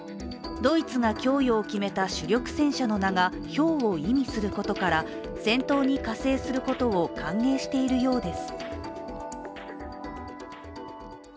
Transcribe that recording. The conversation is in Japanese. ドイツが供与を決めた主力戦車の名がひょうを意味することから戦闘に加勢することを歓迎しているようです。